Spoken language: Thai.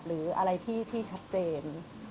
หรืออะไรที่ชัดเจน